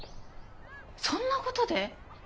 そんなことで？